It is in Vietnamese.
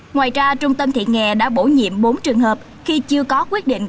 ngoài ra trung tâm thị nghề đã bổ nhiệm bốn trường hợp khi chưa có quyết định